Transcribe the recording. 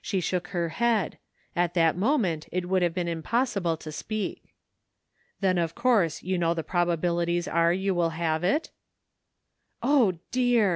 She shook her head ; at that moment it would have been impossible to speak. "Then of course you know the probabilities are you will have it?" " O, dear !